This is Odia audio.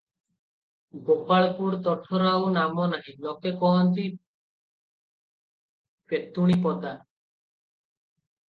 ଗୋପାଳପୁର ତୋଠର ଆଉ ନାମ ନାହିଁ, ଲୋକେ କହନ୍ତି ପେତୁଣୀପଦା ।